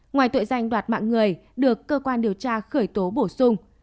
ngoài tội danh đoạt mạng người được cơ quan điều tra khởi tố bổ sung